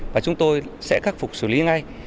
và chúng tôi sẽ khắc phục xử lý ngay